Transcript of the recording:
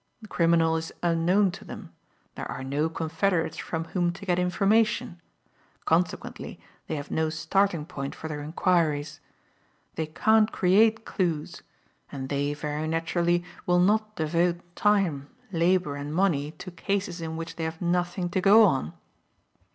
The criminal is unknown to them; there are no confederates from whom to get information; consequently they have no starting point for their enquiries. They can't create clues; and they, very naturally, will not devote time, labour and money to cases in which they have nothing to go on.